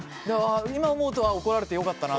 今思うと怒られてよかったなと思います。